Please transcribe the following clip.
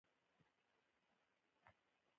خپله یې راته وویل چې زه عادل او با انصافه یم.